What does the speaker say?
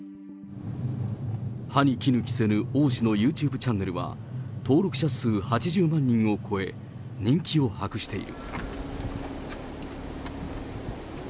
歯にきぬ着せぬ王氏のユーチューブチャンネルは、登録者数８０万人を超え、人気を博している。